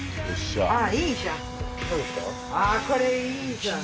これいいじゃん。